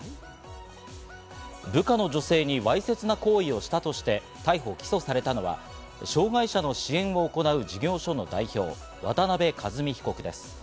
部下の女性にわいせつな行為をしたとして、逮捕・起訴されたのは障害者の支援を行う事業所の代表・渡辺和美被告です。